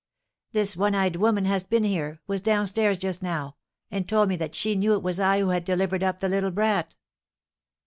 "This one eyed woman has been here, was down stairs just now, and told me that she knew it was I who had delivered up the little brat."